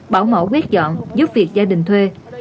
bảo mẫu quét dọn giúp việc gia đình thuê